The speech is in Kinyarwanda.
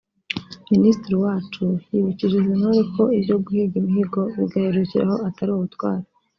Minisitiri Uwacu yibukije izi ntore ko ibyo guhiga imihigo bigaherukira aho atari ubutwari